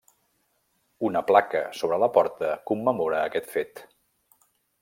Una placa sobre la porta commemora aquest fet.